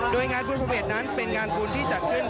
โดยงานบุญผมเอ็ดนั้นเป็นงานบุญที่จัดขึ้น